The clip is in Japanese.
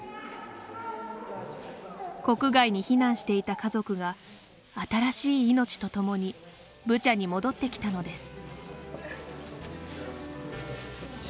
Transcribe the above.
国外に避難していた家族が新しい命と共にブチャに戻ってきたのです。